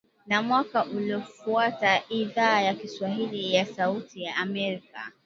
Na mwaka uliofuata Idhaa ya Kiswahili ya Sauti ya Amerika